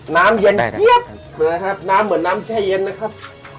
น้ำเย็นเยี้ยบเหมือนนะครับน้ำเหมือนน้ำแช่เย็นนะครับ